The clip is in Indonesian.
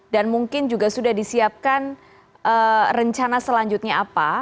dan mungkin juga sudah disiapkan rencana selanjutnya apa